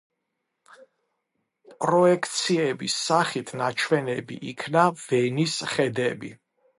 პროექციების სახით ნაჩვენები იქნა ვენის ხედები.